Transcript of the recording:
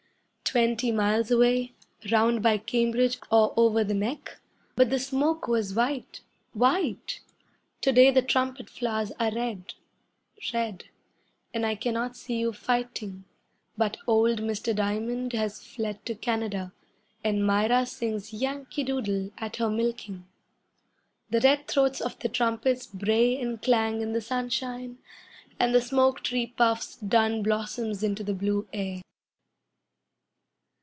Twenty miles away, Round by Cambridge, or over the Neck, But the smoke was white white! To day the trumpet flowers are red red And I cannot see you fighting, But old Mr. Dimond has fled to Canada, And Myra sings "Yankee Doodle" at her milking. The red throats of the trumpets bray and clang in the sunshine, And the smoke tree puffs dun blossoms into the blue air.